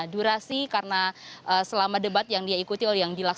dura sih karena selama debat yang dia ikuti oleh yang dilakukan